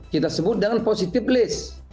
kita sebut dengan positive list